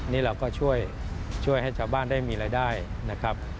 นี่เราก็ช่วยให้ชาวบ้านได้มีรายได้นะครับ